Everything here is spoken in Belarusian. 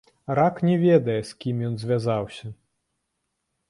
Рак не ведае, з кім ён звязаўся.